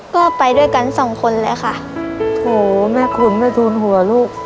ก็ไปด้วยกันสองคนเลยค่ะโหแม่ขุนแม่ทูลหัวลูก